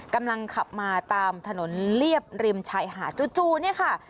กำลังขับมาตามถนนเรียบริมชายหาดจู่เนี่ยค่ะ